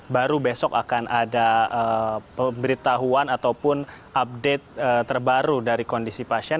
baru besok akan ada pemberitahuan ataupun update terbaru dari kondisi pasien